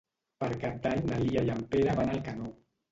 Per Cap d'Any na Lia i en Pere van a Alcanó.